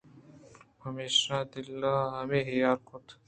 پمیشا دل ءَ ہمے حیالے کُت